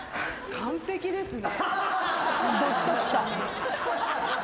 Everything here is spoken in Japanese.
完璧ですね。